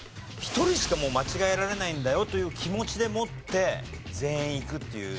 １人しかもう間違えられないんだよという気持ちでもって全員いくっていう。